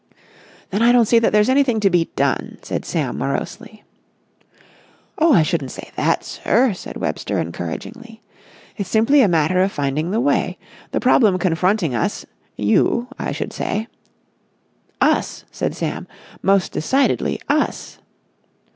"Then I don't see that there's anything to be done," said Sam, morosely. "Oh, I shouldn't say that, sir," said Webster encouragingly. "It's simply a matter of finding the way. The problem confronting us—you, I should say...." "Us," said Sam. "Most decidedly us."